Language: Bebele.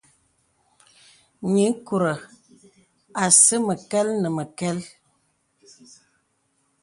Nyiŋkùrə asì məkɛl nə məkɛl.